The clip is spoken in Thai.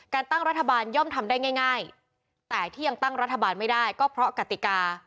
ตั้งรัฐบาลย่อมทำได้ง่ายแต่ที่ยังตั้งรัฐบาลไม่ได้ก็เพราะกติกา